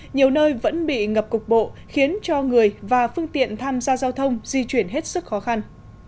nhiều nơi vẫn bị ngập cục bộ khiến cho người và phương tiện tham gia giao thông di chuyển hết sức khó khăn